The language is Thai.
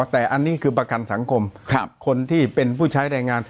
แต่อันนี้คือประกันสังคมคนที่เป็นผู้ใช้แรงงาน